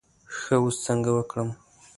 ښه اوس څنګه وکړم.